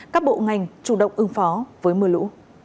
các bộ ngành chủ động ứng phó với mưa lũ